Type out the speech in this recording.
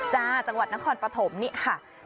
จังหวัดนครปฐมนี่ค่ะ